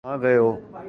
کہاں گئے وہ؟